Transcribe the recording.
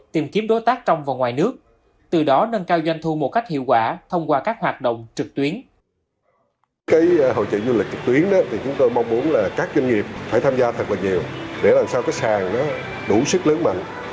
tìm kiếm đối tác trong và ngoài nước từ đó nâng cao doanh thu một cách hiệu quả thông qua các hoạt động trực tuyến